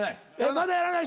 まだやらない。